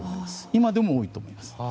今でも多いと思います。